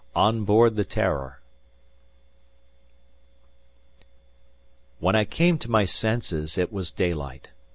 ON BOARD THE TERROR When I came to my senses it was daylight.